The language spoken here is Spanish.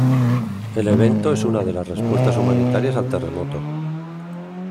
El evento es una de las respuestas humanitarias al terremoto.